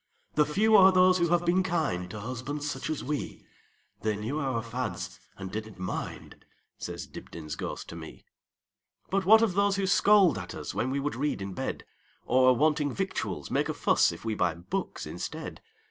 The few are those who have been kindTo husbands such as we; They knew our fads, and did n't mind,"Says Dibdin's ghost to me."But what of those who scold at usWhen we would read in bed? Or, wanting victuals, make a fussIf we buy books instead?